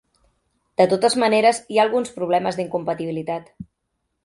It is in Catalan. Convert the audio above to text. De totes maneres, hi ha alguns problemes d'incompatibilitat.